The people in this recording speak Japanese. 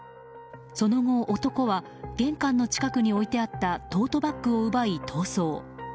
その後、男は玄関の近くに置いてあったトートバッグを奪い、逃走。